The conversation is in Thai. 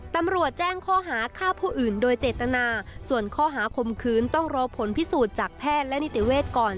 ตำรวจแจ้งข้อหาฆ่าผู้อื่นโดยเจตนาส่วนข้อหาคมคืนต้องรอผลพิสูจน์จากแพทย์และนิติเวทย์ก่อน